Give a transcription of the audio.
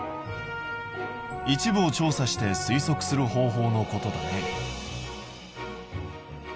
一部を調査して推測する方法のことだね。